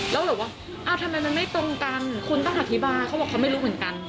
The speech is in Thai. แล้วแบบว่าทำไมมันไม่ตรงกันคุณต้องอธิบายเขาบอกเขาไม่รู้เหมือนกัน